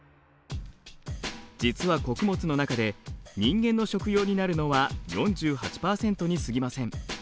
実は穀物の中で人間の食用になるのは４８％にすぎません。